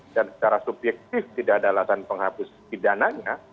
dan secara subyektif tidak adalah tanpa menghabis bidananya